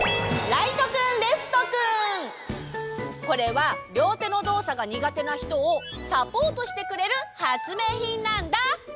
これはりょうてのどうさがにがてなひとをサポートしてくれるはつめいひんなんだ！